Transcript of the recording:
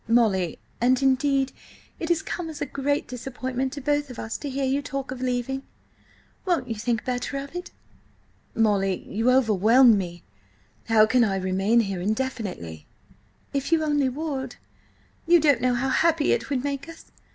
"Molly—" "And, indeed, it has come as a great disappointment to both of us to hear you talk of leaving. Won't you think better of it?" "Molly, you overwhelm me. ... How can I remain here indefinitely?" "If only you would! You don't know how happy it would make us.